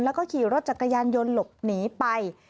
แล้วก็ขี่รถจักรยานยนต์หลบหนีไป